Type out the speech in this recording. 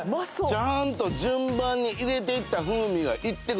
ちゃんと順番に入れていった風味がいってくる。